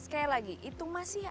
sekali lagi itu masih